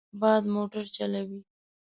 باد موټر چلوي.